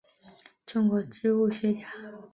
中国植物学家。